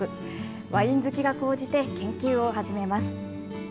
ワイン好きが高じて、研究を始めます。